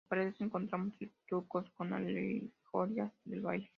En las paredes encontramos estucos con alegorías del baile.